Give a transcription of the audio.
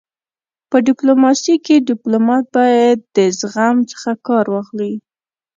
په ډيپلوماسی کي ډيپلومات باید د زغم څخه کار واخلي.